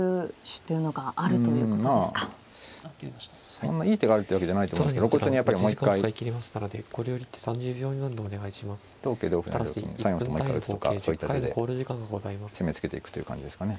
あそんないい手があるってわけじゃないと思うんですけど露骨にやっぱりもう一回同桂同歩成同金３四歩ともう一回打つとかそういった手で攻め続けていくという感じですかね。